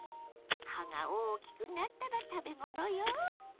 葉が大きくなったら食べ頃よ。